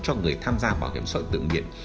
cho người tham gia bảo hiểm xã hội tự nhiên